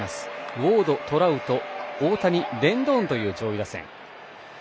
ウォード、トラウト、大谷レンドーンという上位打線。